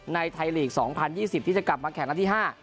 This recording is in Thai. ในไทยลีกส์สองพันยี่สิบที่จะกลับมาแข่งลักษณ์ที่ห้า